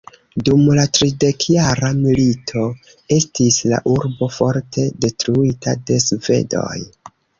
Dum la tridekjara milito estis la urbo forte detruita de svedoj.